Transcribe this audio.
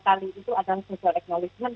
kali itu adalah social exnowledgement